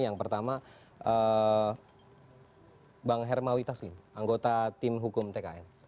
yang pertama bang hermawi taslim anggota tim hukum tkn